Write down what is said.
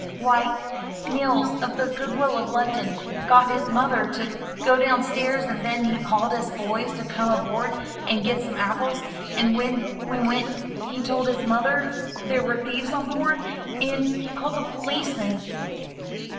"Why, Nils of the 'Goodwill of Luckton* got his mother to go down stairs and then he called us boys to come aboard and get some apples; and when we went he told his mother there were thieves on board; and he called the policeman."